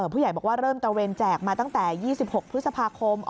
ผู้ใหญ่บอกว่าเริ่มตระเวนแจกมาตั้งแต่๒๖พฤษภาคม